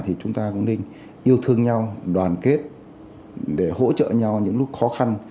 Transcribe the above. thì chúng ta cũng nên yêu thương nhau đoàn kết để hỗ trợ nhau những lúc khó khăn